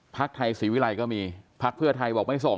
ภักดิ์ไทยศรีวิรัยก็มีภักดิ์เพื่อไทยบอกไม่ส่ง